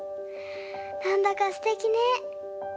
なんだかすてきね。